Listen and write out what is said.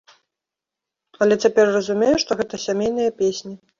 Але цяпер разумею, што гэта сямейныя песні.